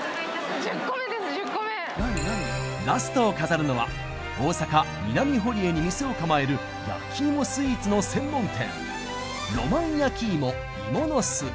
ラストを飾るのは大阪・南堀江に店をかまえる焼き芋スイーツの専門店浪漫焼き芋芋の巣